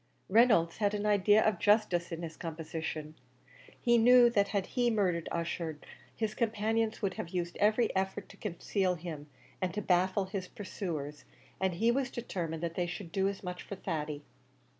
Reynolds had an idea of justice in his composition: he knew that had he murdered Ussher, his companions would have used every effort to conceal him, and to baffle his pursuers; and he was determined that they should do as much for Thady.